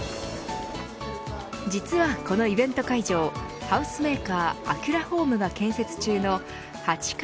実は、このイベント会場ハウスメーカーアキュラホームが建設中の８階